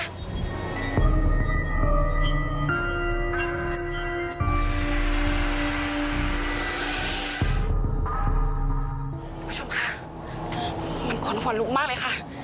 คุณผู้ชมค่ะมันขนหัวลุกมากเลยค่ะ